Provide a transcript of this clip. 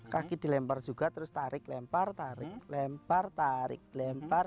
kaki dilempar juga terus tarik lempar tarik lempar tarik lempar